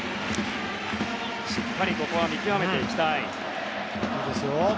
しっかりここは見極めていきたい。